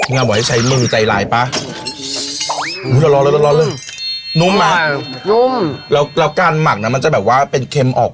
มาไหมใช้มีใจรายป่ะแรงเธอรอมุมนะเรากัดมักน้ำมันจะแบบว่าเป็นเข็มออก